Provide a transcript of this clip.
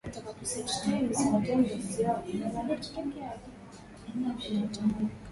imepita miaka mia moja tangu kuzama kwa meli ya titanic